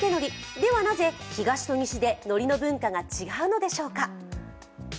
では、なぜ東と西でのりの文化が違うのでしょうか。